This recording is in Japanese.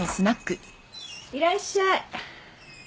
いらっしゃい